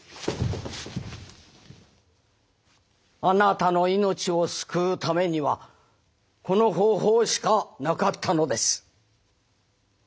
あなたの命を救うためにはこの方法しかなかったのです。